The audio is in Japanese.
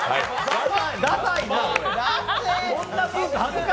ダサいな。